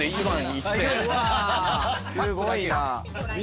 すごいな。